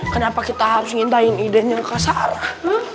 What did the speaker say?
kenapa kita harus ngintain idenya kak sarah